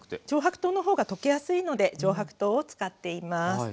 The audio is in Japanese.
上白糖の方が溶けやすいので上白糖を使っています。